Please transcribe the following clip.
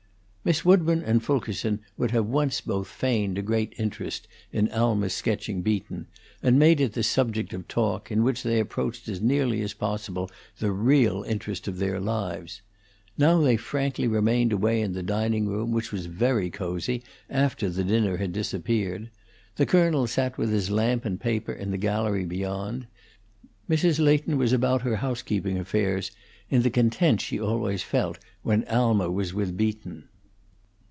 Miss Woodburn and Fulkerson would once have both feigned a great interest in Alma's sketching Beaton, and made it the subject of talk, in which they approached as nearly as possible the real interest of their lives. Now they frankly remained away in the dining room, which was very cozy after the dinner had disappeared; the colonel sat with his lamp and paper in the gallery beyond; Mrs. Leighton was about her housekeeping affairs, in the content she always felt when Alma was with Beaton.